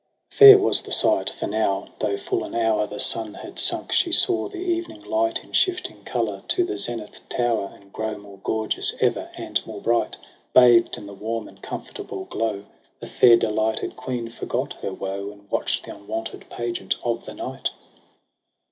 MARCH 83 Fair was the sight j for now, though full an hour The sun had sunk, she saw the evening light In shifting colour to the zenith tower, And grow more gorgeous ever and more bright. Bathed in the warm and comfortable glow, The fair delighted queen forgot her woe. And watch'd the unwonted pageant of the night.